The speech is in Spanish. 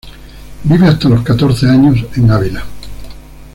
Vive hasta los catorce años en Ávila.